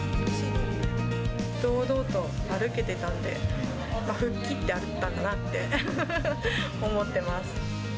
堂々と歩けてたんで、吹っ切って歩いたんだなって思ってます。